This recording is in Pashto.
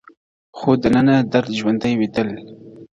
خو دننه درد ژوندی وي تل,